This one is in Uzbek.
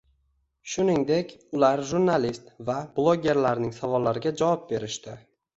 Shuningdek, ular jurnalist va blogerlarning savollariga javob berishdi.